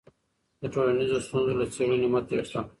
د ټولنیزو ستونزو له څېړنې مه تېښته.